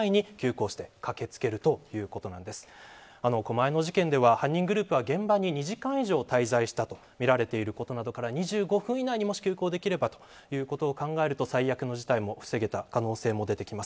狛江の事件の犯人グループは現場に２時間以上滞在したとみられていることなどから２５分以内にもし急行できればということを考えると最悪の事態も防げた可能性も出てきます。